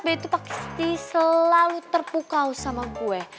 betul pak siti selalu terpukau sama gue